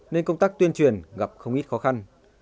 nên công tác tuyên truyền gặp không ít khó khăn